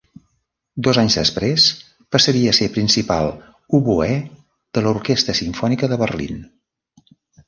Dos anys després passaria a ser principal oboè de l'Orquestra Simfònica de Berlín.